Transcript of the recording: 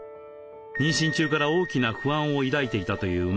妊娠中から大きな不安を抱いていたという増さん。